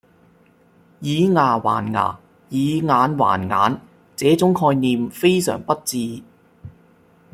以牙還牙，以眼還眼，這種概念非常不智